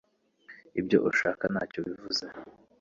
Ibyo ushaka ntacyo bivuze